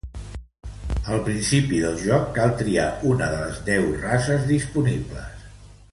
Al principi del joc cal triar una de les deu races disponibles.